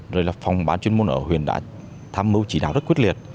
rồi là phòng bán chuyên môn ở huyền đã tham mưu chỉ đáo rất quyết liệt